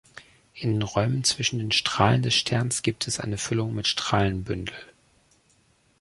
In den Räumen zwischen den Strahlen des Sterns gibt es eine Füllung mit Strahlenbündel.